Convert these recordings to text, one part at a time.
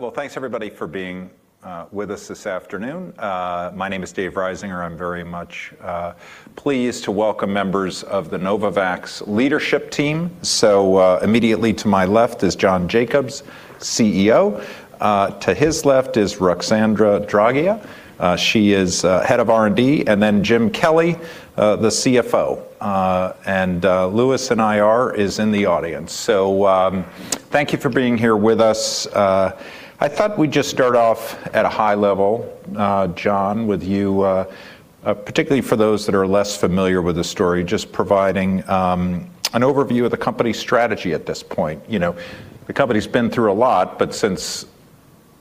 Well, thanks everybody for being with us this afternoon. My name is David Risinger. I'm very much pleased to welcome members of the Novavax leadership team. Immediately to my left is John Jacobs, CEO. To his left is Ruxandra Draghia. She is head of R&D. And then Jim Kelly, the CFO. And Luis Sanay in IR is in the audience. Thank you for being here with us. I thought we'd just start off at a high level, John, with you, particularly for those that are less familiar with the story, just providing an overview of the company strategy at this point. You know, the company's been through a lot, but since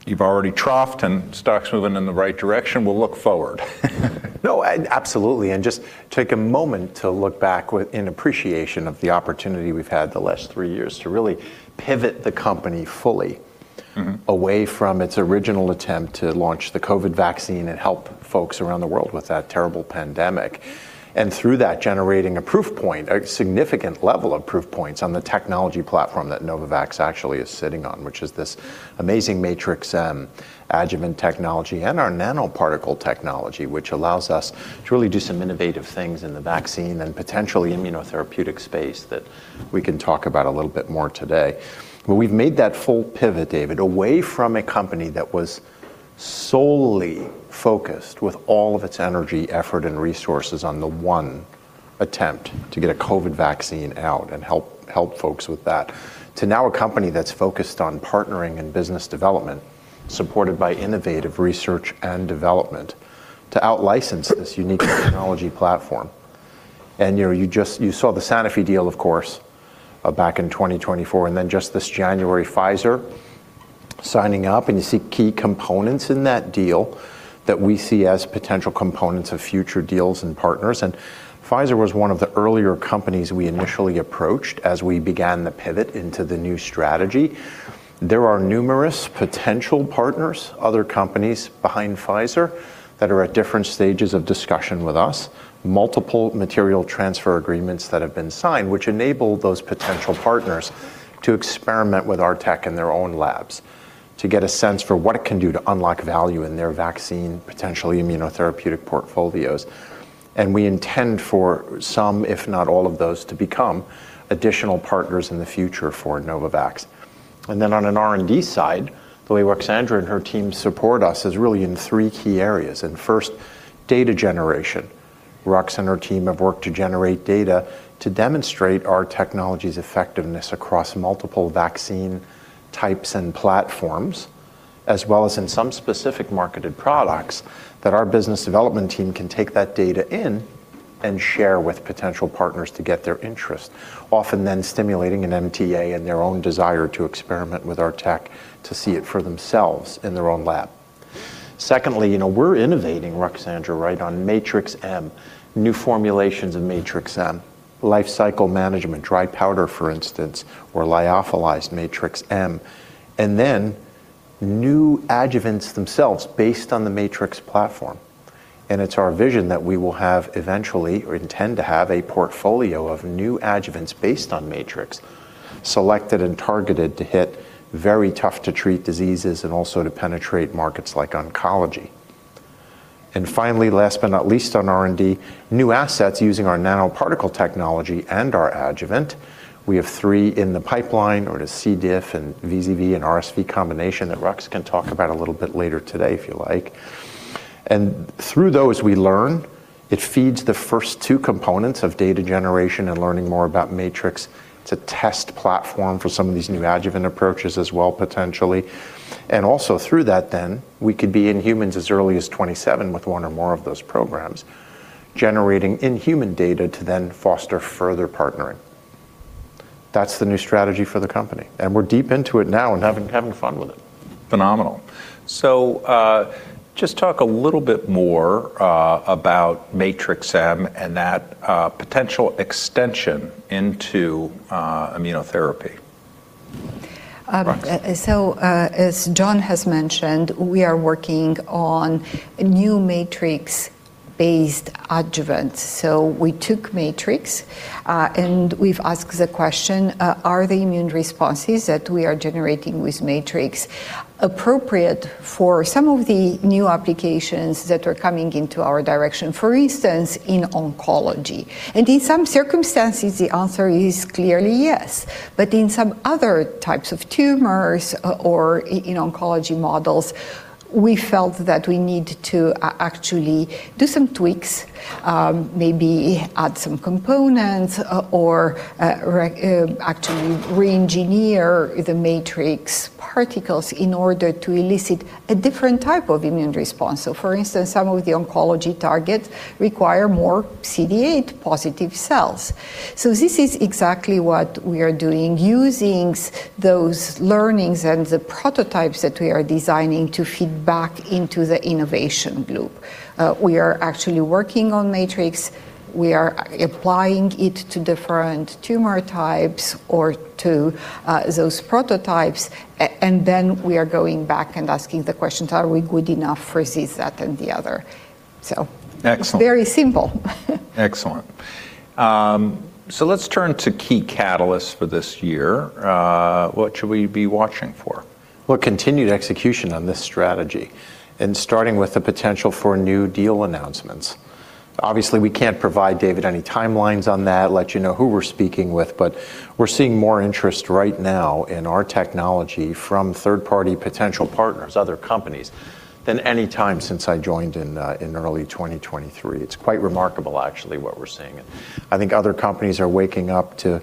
you've already troughed and stock's moving in the right direction, we'll look forward. No, absolutely, just take a moment to look back within appreciation of the opportunity we've had the last three years to really pivot the company fully. Mm-hmm. Away from its original attempt to launch the COVID vaccine and help folks around the world with that terrible pandemic. Through that, generating a proof point, a significant level of proof points on the technology platform that Novavax actually is sitting on, which is this amazing Matrix-M adjuvant technology and our nanoparticle technology, which allows us to really do some innovative things in the vaccine and potential immunotherapeutic space that we can talk about a little bit more today. We've made that full pivot, David, away from a company that was solely focused with all of its energy, effort, and resources on the one attempt to get a COVID vaccine out and help folks with that, to now a company that's focused on partnering and business development, supported by innovative research and development to out-license this unique technology platform. You know, you just, you saw the Sanofi deal, of course, back in 2024, and then just this January, Pfizer signing up, and you see key components in that deal that we see as potential components of future deals and partners. Pfizer was one of the earlier companies we initially approached as we began the pivot into the new strategy. There are numerous potential partners, other companies behind Pfizer, that are at different stages of discussion with us, multiple material transfer agreements that have been signed, which enable those potential partners to experiment with our tech in their own labs to get a sense for what it can do to unlock value in their vaccine, potential immunotherapeutic portfolios. We intend for some, if not all of those, to become additional partners in the future for Novavax. On an R&D side, the way Ruxandra and her team support us is really in three key areas. First, data generation. Ruxandra and her team have worked to generate data to demonstrate our technology's effectiveness across multiple vaccine types and platforms, as well as in some specific marketed products that our business development team can take that data in and share with potential partners to get their interest. Often then stimulating an MTA and their own desire to experiment with our tech to see it for themselves in their own lab. Secondly, you know, we're innovating, Ruxandra, right, on Matrix-M, new formulations of Matrix-M, lifecycle management, dry powder, for instance, or lyophilized Matrix-M, and then new adjuvants themselves based on the Matrix platform. It's our vision that we will have eventually, or intend to have, a portfolio of new adjuvants based on Matrix selected and targeted to hit very tough-to-treat diseases and also to penetrate markets like oncology. Finally, last but not least on R&D, new assets using our nanoparticle technology and our adjuvant. We have three in the pipeline or the C. diff and VZV and RSV combination that Ruxandra can talk about a little bit later today, if you like. Through those, we learn. It feeds the first two components of data generation and learning more about Matrix. It's a test platform for some of these new adjuvant approaches as well, potentially. Also through that then, we could be in humans as early as 2027 with one or more of those programs, generating in-human data to then foster further partnering. That's the new strategy for the company, and we're deep into it now and having fun with it. Phenomenal. Just talk a little bit more about Matrix-M and that potential extension into immunotherapy. As John has mentioned, we are working on new Matrix-based adjuvants. We took Matrix, and we've asked the question, are the immune responses that we are generating with Matrix appropriate for some of the new applications that are coming into our direction, for instance, in oncology? In some circumstances, the answer is clearly yes. In some other types of tumors or in oncology models, we felt that we need to actually do some tweaks, maybe add some components or, actually reengineer the Matrix particles in order to elicit a different type of immune response. For instance, some of the oncology targets require more CD8-positive cells. This is exactly what we are doing, using those learnings and the prototypes that we are designing to feed back into the innovation loop. We are actually working on Matrix. We are applying it to different tumor types or to those prototypes and then we are going back and asking the questions, are we good enough for this, that, and the other? So- Excellent. It's very simple. Excellent. So let's turn to key catalysts for this year. What should we be watching for? Well, continued execution on this strategy, and starting with the potential for new deal announcements. Obviously, we can't provide, David, any timelines on that, let alone who we're speaking with, but we're seeing more interest right now in our technology from third-party potential partners, other companies, than any time since I joined in early 2023. It's quite remarkable actually what we're seeing. I think other companies are waking up to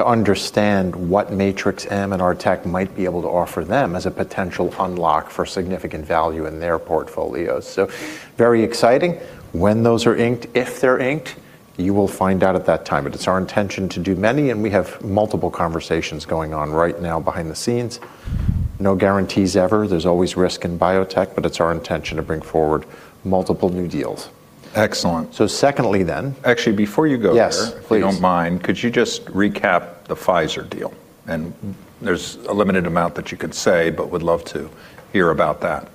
understand what Matrix-M and our tech might be able to offer them as a potential unlock for significant value in their portfolios. Very exciting. When those are inked, if they're inked, you will find out at that time. It's our intention to do many, and we have multiple conversations going on right now behind the scenes. No guarantees ever. There's always risk in biotech, but it's our intention to bring forward multiple new deals. Excellent. Secondly then. Actually, before you go there. Yes, please. If you don't mind, could you just recap the Pfizer deal? There's a limited amount that you could say, but would love to hear about that.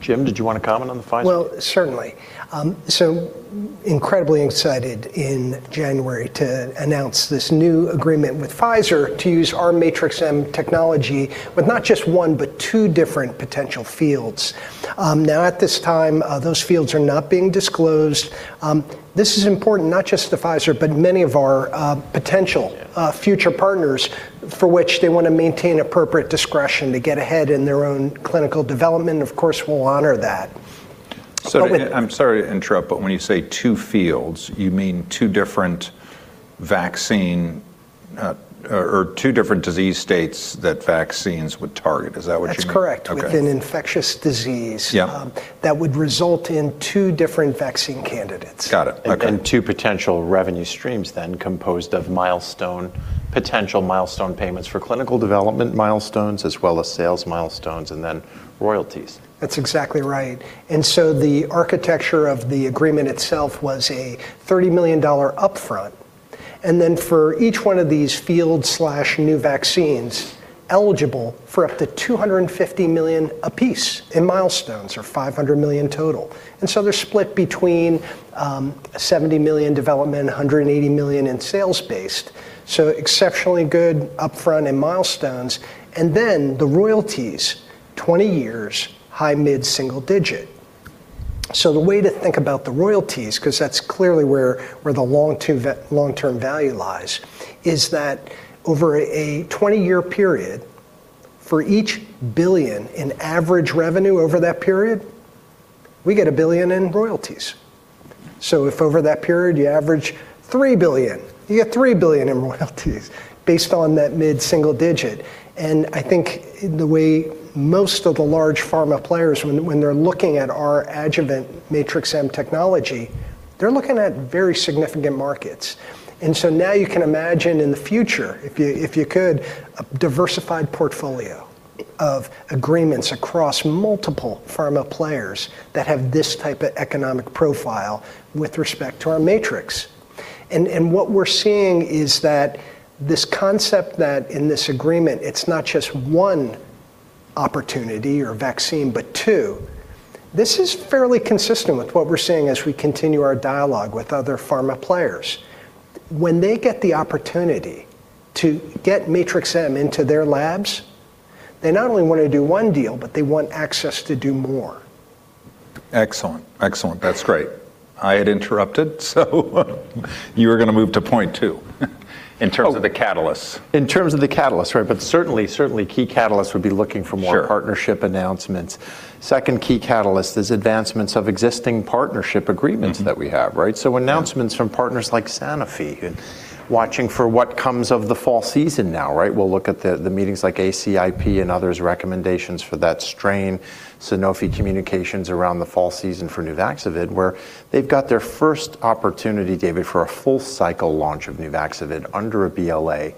Jim, did you wanna comment on the Pfizer? Well, certainly. Incredibly excited in January to announce this new agreement with Pfizer to use our Matrix-M technology with not just one, but two different potential fields. Now at this time, those fields are not being disclosed. This is important not just to Pfizer, but many of our potential- Yeah. Future partners for which they wanna maintain appropriate discretion to get ahead in their own clinical development. Of course, we'll honor that. With- I'm sorry to interrupt, but when you say two fields, you mean two different vaccines or two different disease states that vaccines would target? Is that what you mean? That's correct. Okay. With an infectious disease. Yeah. That would result in two different vaccine candidates. Got it. Okay. Two potential revenue streams then composed of potential milestone payments for clinical development milestones, as well as sales milestones, and then royalties. That's exactly right. The architecture of the agreement itself was a $30 million upfront, and then for each one of these field/new vaccines, eligible for up to $250 million apiece in milestones, or $500 million total. They're split between $70 million development, $180 million in sales-based. Exceptionally good upfront and milestones. Then the royalties, 20 years, high mid-single digit. The way to think about the royalties, 'cause that's clearly where the long-term value lies, is that over a 20-year period, for each $1 billion in average revenue over that period, we get $1 billion in royalties. If over that period you average $3 billion, you get $3 billion in royalties based on that mid-single digit. I think the way most of the large pharma players when they're looking at our adjuvant Matrix-M technology, they're looking at very significant markets. Now you can imagine in the future, if you could, a diversified portfolio of agreements across multiple pharma players that have this type of economic profile with respect to our Matrix-M. What we're seeing is that this concept that in this agreement, it's not just one opportunity or vaccine, but two, this is fairly consistent with what we're seeing as we continue our dialogue with other pharma players. When they get the opportunity to get Matrix-M into their labs, they not only wanna do one deal, but they want access to do more. Excellent. That's great. I had interrupted, so you were gonna move to point two. In terms of the catalysts, right. Certainly key catalysts would be looking for more partnership announcements. Second key catalyst is advancements of existing partnership agreements that we have, right? Announcements from partners like Sanofi and watching for what comes of the fall season now, right? We'll look at the meetings like ACIP and others' recommendations for that strain, Sanofi communications around the fall season for NUVAXOVID, where they've got their first opportunity, David, for a full cycle launch of NUVAXOVID under a BLA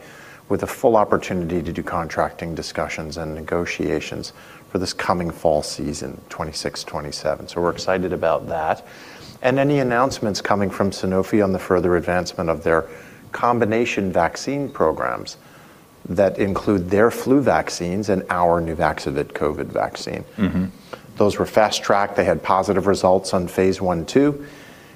with a full opportunity to do contracting discussions and negotiations for this coming fall season, 2026, 2027. We're excited about that. Any announcements coming from Sanofi on the further advancement of their combination vaccine programs that include their flu vaccines and our NUVAXOVID COVID vaccine. Those were fast-tracked. They had positive results on phase I, too.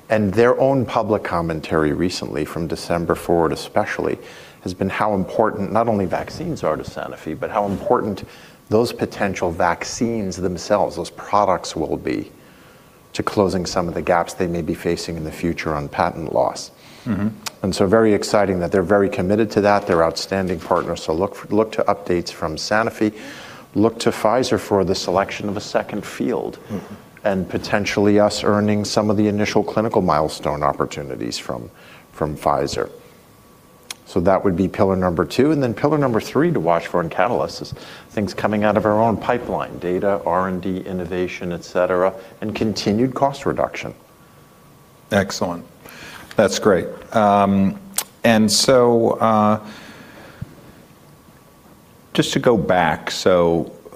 Their own public commentary recently, from December forward especially, has been how important not only vaccines are to Sanofi, but how important those potential vaccines themselves, those products will be to closing some of the gaps they may be facing in the future on patent loss. Very exciting that they're very committed to that. They're outstanding partners, so look to updates from Sanofi. Look to Pfizer for the selection of a second field. Potentially us earning some of the initial clinical milestone opportunities from Pfizer. That would be pillar number two. Pillar number three to watch for in catalysts is things coming out of our own pipeline, data, R&D, innovation, et cetera, and continued cost reduction. Excellent. That's great. Just to go back,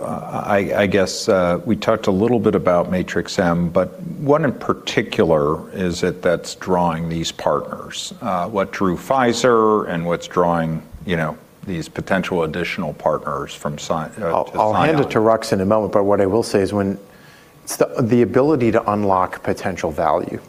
I guess, we talked a little bit about Matrix-M, but what in particular is it that's drawing these partners? What drew Pfizer and what's drawing, you know, these potential additional partners from Sanofi? I'll hand it to Ruxandra in a moment, but what I will say is it's the ability to unlock potential value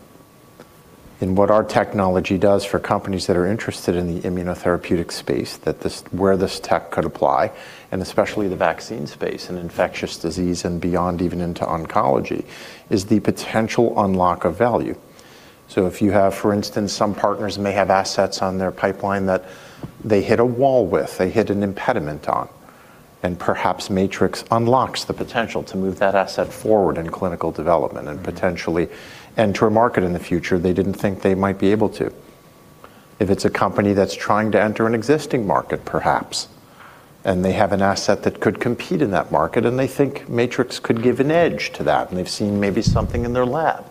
in what our technology does for companies that are interested in the immunotherapeutic space, that this, where this tech could apply, and especially the vaccine space and infectious disease and beyond even into oncology, is the potential unlock of value. If you have, for instance, some partners may have assets on their pipeline that they hit a wall with, they hit an impediment on, and perhaps Matrix unlocks the potential to move that asset forward in clinical development and potentially enter a market in the future they didn't think they might be able to. If it's a company that's trying to enter an existing market, perhaps, and they have an asset that could compete in that market, and they think Matrix could give an edge to that, and they've seen maybe something in their lab.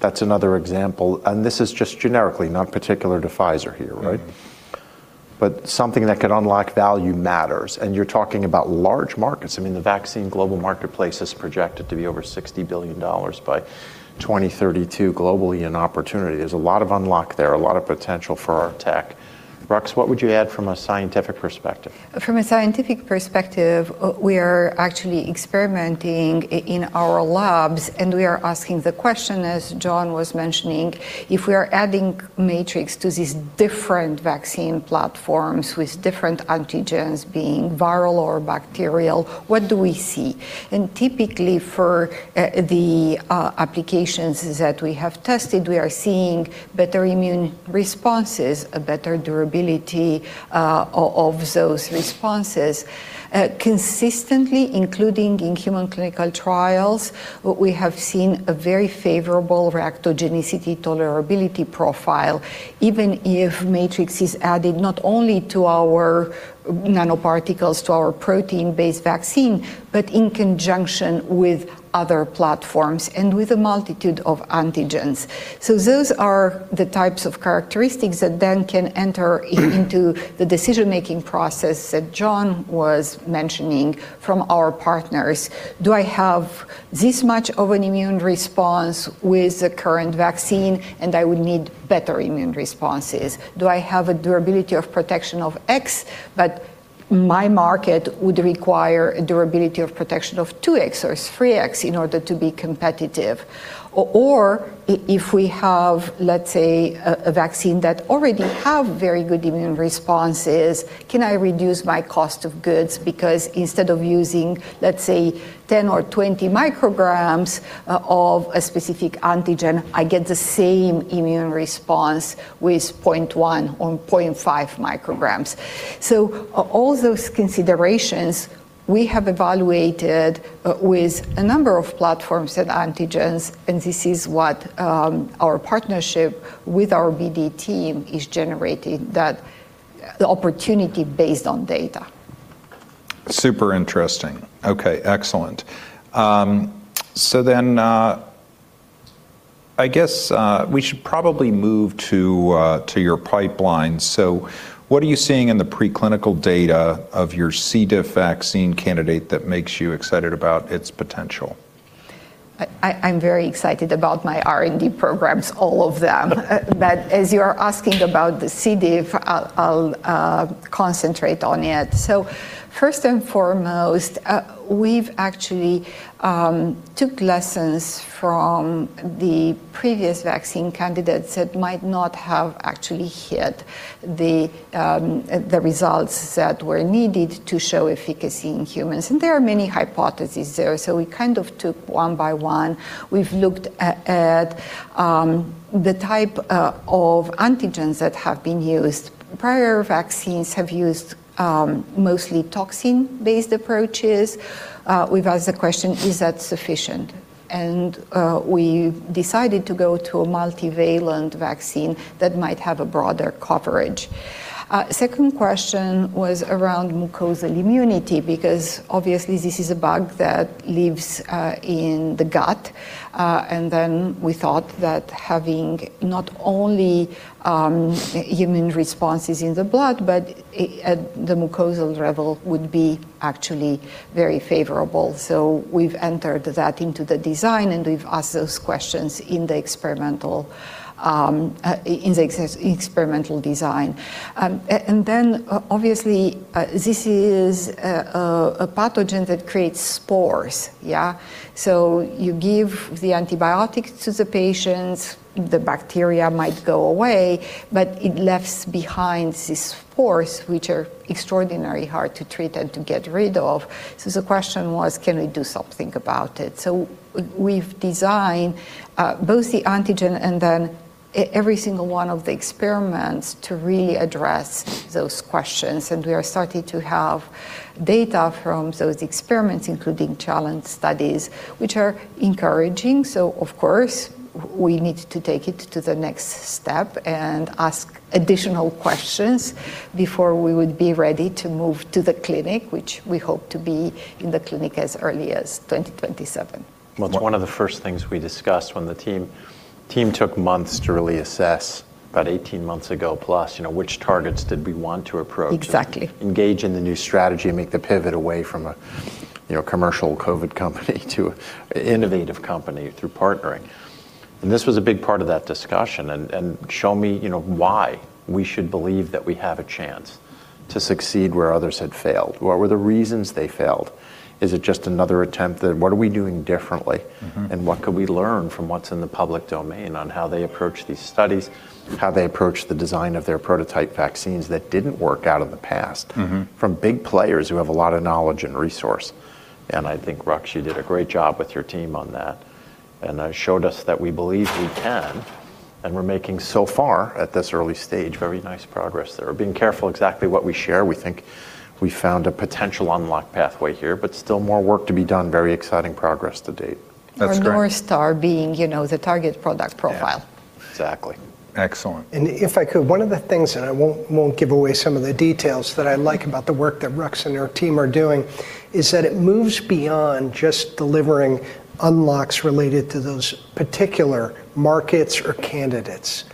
That's another example. This is just generically, not particular to Pfizer here, right? Mm-hmm. Something that could unlock value matters, and you're talking about large markets. I mean, the vaccine global marketplace is projected to be over $60 billion by 2032 globally in opportunity. There's a lot of unlock there, a lot of potential for our tech. Ruxandra, what would you add from a scientific perspective? From a scientific perspective, we are actually experimenting in our labs, and we are asking the question, as John was mentioning, if we are adding Matrix to these different vaccine platforms with different antigens being viral or bacterial, what do we see? Typically for the applications that we have tested, we are seeing better immune responses, a better durability of those responses. Consistently, including in human clinical trials, we have seen a very favorable reactogenicity tolerability profile, even if Matrix is added not only to our nanoparticles, to our protein-based vaccine, but in conjunction with other platforms and with a multitude of antigens. Those are the types of characteristics that then can enter into the decision-making process that John was mentioning from our partners. Do I have this much of an immune response with the current vaccine, and I would need better immune responses? Do I have a durability of protection of X, but my market would require a durability of protection of 2X or 3X in order to be competitive? Or if we have, let's say, a vaccine that already have very good immune responses, can I reduce my cost of goods? Because instead of using, let's say, 10 or 20 mcg of a specific antigen, I get the same immune response with 0.1 or 0.5 mcg. All those considerations we have evaluated with a number of platforms and antigens, and this is what our partnership with our BD team is generating that the opportunity based on data. Super interesting. Okay, excellent. I guess we should probably move to your pipeline. What are you seeing in the preclinical data of your Clostridioides difficile vaccine candidate that makes you excited about its potential? I'm very excited about my R&D programs, all of them. As you are asking about the Clostridioides difficile, I'll concentrate on it. First and foremost, we've actually took lessons from the previous vaccine candidates that might not have actually hit the results that were needed to show efficacy in humans. There are many hypotheses there. We kind of took one by one. We've looked at the type of antigens that have been used. Prior vaccines have used mostly toxin-based approaches. We've asked the question, is that sufficient? We decided to go to a multivalent vaccine that might have a broader coverage. Second question was around mucosal immunity, because obviously this is a bug that lives in the gut. We thought that having not only immune responses in the blood, but the mucosal level would be actually very favorable. We've entered that into the design, and we've asked those questions in the experimental design. Obviously, this is a pathogen that creates spores, yeah. You give the antibiotics to the patients, the bacteria might go away, but it leaves behind these spores, which are extraordinarily hard to treat and to get rid of. The question was, can we do something about it? We've designed both the antigen and every single one of the experiments to really address those questions. We are starting to have data from those experiments, including challenge studies, which are encouraging. Of course, we need to take it to the next step and ask additional questions before we would be ready to move to the clinic, which we hope to be in the clinic as early as 2027. Well, it's one of the first things we discussed when the team took months to really assess about 18 months ago plus, you know, which targets did we want to approach. Exactly. Engage in the new strategy, make the pivot away from, you know, commercial COVID company to innovative company through partnering. This was a big part of that discussion. Show me, you know, why we should believe that we have a chance to succeed where others had failed. What were the reasons they failed? Is it just another attempt? What are we doing differently? Mm-hmm. What could we learn from what's in the public domain on how they approach these studies, how they approach the design of their prototype vaccines that didn't work out in the past? Mm-hmm. From big players who have a lot of knowledge and resources. I think, Ruxandra, you did a great job with your team on that. Showed us that we believe we can, and we're making so far, at this early stage, very nice progress there. We're being careful exactly what we share. We think we found a potential unlock pathway here, but still more work to be done. Very exciting progress to date. That's great. Our North Star being, you know, the target product profile. Yeah. Exactly. Excellent. If I could, one of the things, and I won't give away some of the details, that I like about the work that Ruxandra and her team are doing is that it moves beyond just delivering unlocks related to those particular markets or candidates.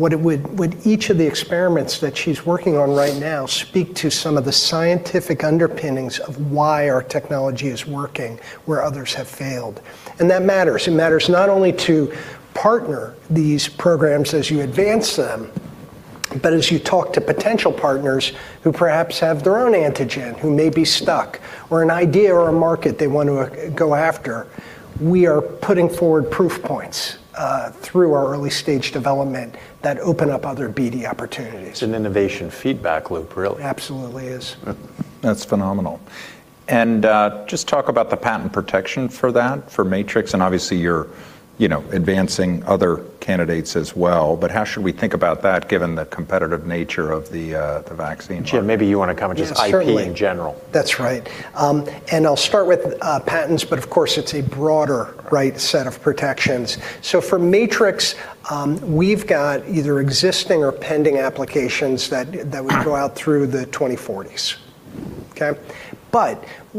What each of the experiments that she's working on right now speak to some of the scientific underpinnings of why our technology is working where others have failed. That matters. It matters not only to partner these programs as you advance them, but as you talk to potential partners who perhaps have their own antigen, who may be stuck, or an idea or a market they want to go after. We are putting forward proof points through our early-stage development that open up other BD opportunities. It's an innovation feedback loop, really. Absolutely is. That's phenomenal. Just talk about the patent protection for that, for Matrix, and obviously you're, you know, advancing other candidates as well. How should we think about that given the competitive nature of the vaccine market? Jim, maybe you wanna comment just IP in general. Yes, certainly. That's right. I'll start with patents, but of course it's a broader, right, set of protections. For Matrix, we've got either existing or pending applications that would go out through the 2040s. Okay.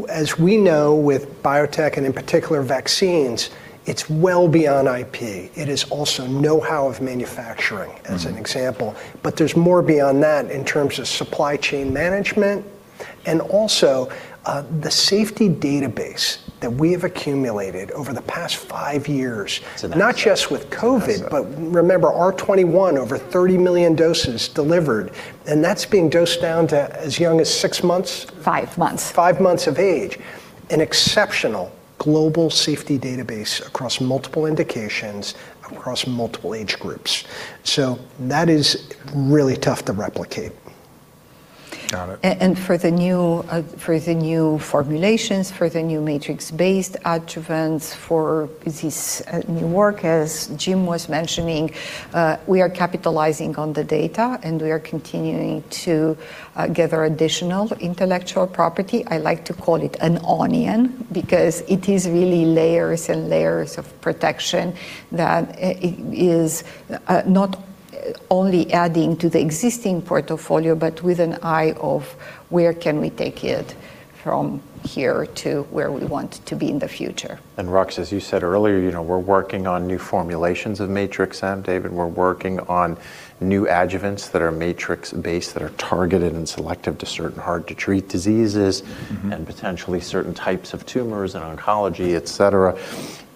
As we know with biotech, and in particular vaccines, it's well beyond IP. It is also know-how of manufacturing, as an example. Mm-hmm. There's more beyond that in terms of supply chain management and also, the safety database that we have accumulated over the past five years. It's a massive. Not just with COVID Massive. Remember, R21, over 30 million doses delivered, and that's being dosed down to as young as six months? Five months. Five months of age. An exceptional global safety database across multiple indications, across multiple age groups. That is really tough to replicate. Got it. For the new formulations, for the new Matrix-based adjuvants, for this new work, as Jim was mentioning, we are capitalizing on the data, and we are continuing to gather additional intellectual property. I like to call it an onion because it is really layers and layers of protection that it is not only adding to the existing portfolio, but with an eye of where can we take it from here to where we want to be in the future. Ruxandra, as you said earlier, you know, we're working on new formulations of Matrix-M. David, we're working on new adjuvants that are Matrix-based that are targeted and selective to certain hard to treat diseases. Mm-hmm. Potentially certain types of tumors in oncology, et cetera,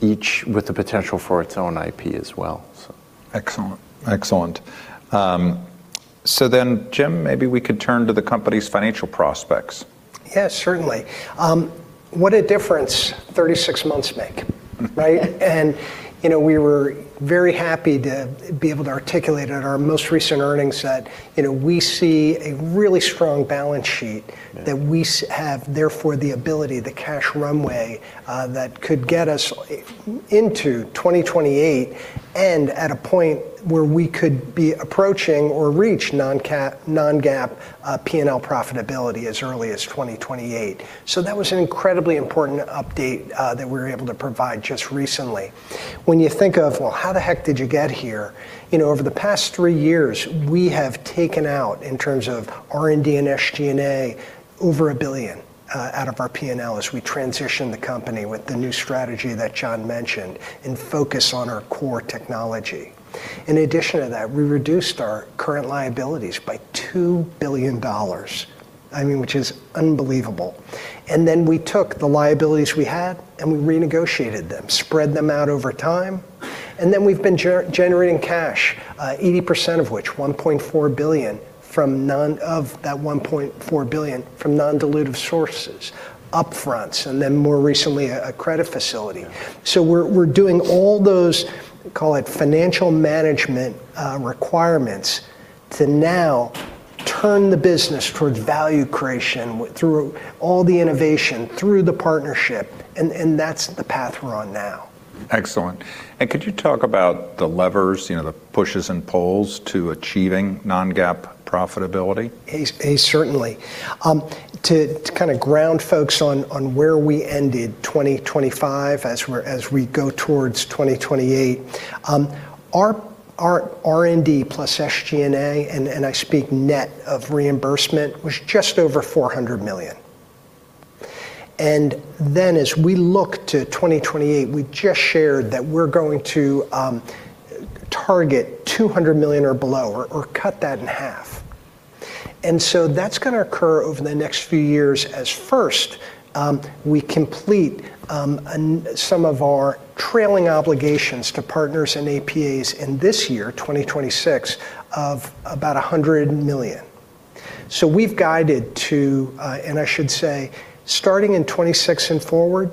each with the potential for its own IP as well. Excellent. Jim, maybe we could turn to the company's financial prospects. Yeah, certainly. What a difference 36 months make, right? You know, we were very happy to be able to articulate at our most recent earnings that, you know, we see a really strong balance sheet. Yeah. That we have therefore the ability, the cash runway, that could get us into 2028 and at a point where we could be approaching or reach non-GAAP P&L profitability as early as 2028. That was an incredibly important update that we were able to provide just recently. When you think of, well, how the heck did you get here? You know, over the past three years, we have taken out, in terms of R&D and SG&A, over $1 billion out of our P&L as we transition the company with the new strategy that John mentioned and focus on our core technology. In addition to that, we reduced our current liabilities by $2 billion, I mean, which is unbelievable. We took the liabilities we had, and we renegotiated them, spread them out over time. We've been generating cash, 80% of which, $1.4 billion, from non-dilutive sources, upfronts, and then more recently a credit facility. Yeah. We're doing all those, call it financial management, requirements to now turn the business toward value creation through all the innovation, through the partnership, and that's the path we're on now. Excellent. Could you talk about the levers, you know, the pushes and pulls to achieving non-GAAP profitability? Certainly. To kind of ground folks on where we ended 2025 as we go towards 2028, our R&D plus SG&A, and I speak net of reimbursement, was just over $400 million. As we look to 2028, we just shared that we're going to target $200 million or below or cut that in half. That's gonna occur over the next few years as first, we complete and some of our trailing obligations to partners and APAs in this year, 2026, of about $100 million. We've guided to, and I should say starting in 2026 and forward,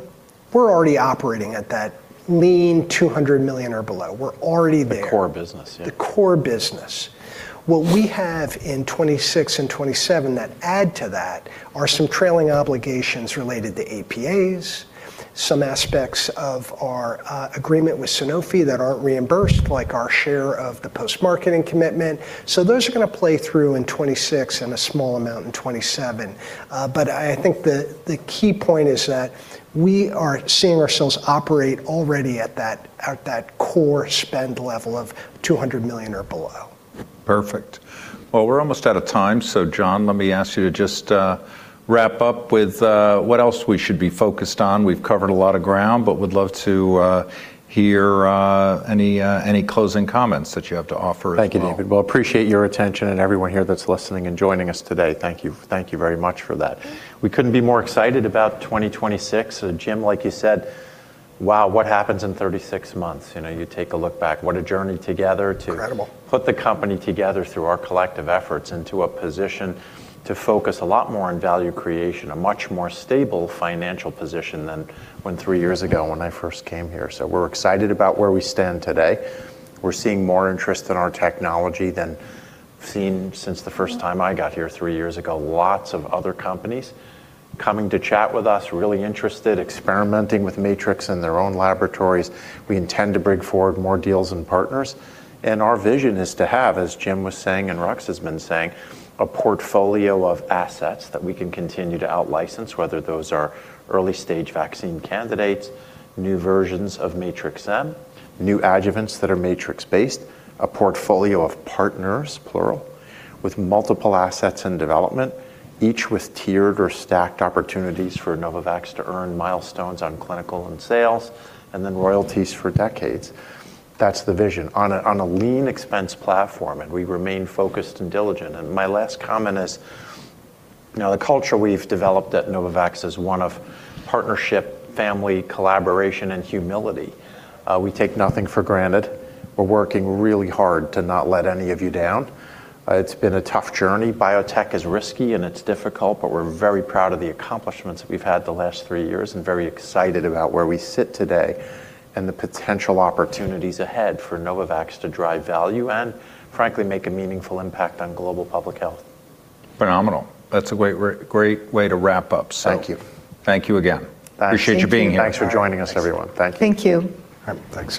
we're already operating at that lean $200 million or below. We're already there. The core business, yeah. The core business. What we have in 2026 and 2027 that add to that are some trailing obligations related to APAs, some aspects of our agreement with Sanofi that aren't reimbursed, like our share of the post-marketing commitment. Those are gonna play through in 2026 and a small amount in 2027. I think the key point is that we are seeing ourselves operate already at that core spend level of $200 million or below. Perfect. Well, we're almost out of time. John, let me ask you to just wrap up with what else we should be focused on. We've covered a lot of ground, but would love to hear any closing comments that you have to offer as well. Thank you, David. We appreciate your attention and everyone here that's listening and joining us today. Thank you. Thank you very much for that. We couldn't be more excited about 2026. Jim, like you said, wow, what happens in 36 months? You know, you take a look back, what a journey together to. Incredible. Put the company together through our collective efforts into a position to focus a lot more on value creation, a much more stable financial position than when three years ago when I first came here. We're excited about where we stand today. We're seeing more interest in our technology than seen since the first time I got here three years ago. Lots of other companies coming to chat with us, really interested, experimenting with Matrix in their own laboratories. We intend to bring forward more deals and partners. Our vision is to have, as Jim was saying, and Ruxandra has been saying, a portfolio of assets that we can continue to out-license, whether those are early-stage vaccine candidates, new versions of Matrix-M, new adjuvants that are Matrix-based. A portfolio of partners, plural, with multiple assets in development, each with tiered or stacked opportunities for Novavax to earn milestones on clinical and sales, and then royalties for decades. That's the vision. On a lean expense platform, and we remain focused and diligent. My last comment is, you know, the culture we've developed at Novavax is one of partnership, family, collaboration, and humility. We take nothing for granted. We're working really hard to not let any of you down. It's been a tough journey. Biotech is risky and it's difficult, but we're very proud of the accomplishments we've had the last three years and very excited about where we sit today and the potential opportunities ahead for Novavax to drive value and frankly, make a meaningful impact on global public health. Phenomenal. That's a great way to wrap up, so. Thank you. Thank you again. Thank you. Appreciate you being here. Thanks for joining us, everyone. Thank you. Thank you. All right. Thanks.